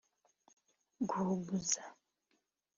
guhuguza